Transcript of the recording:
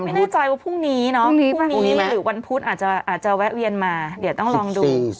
ไม่แน่ใจว่าพรุ่งนี้หรือวันพุธอาจเวียนมาเดี๋ยวต้องลองดู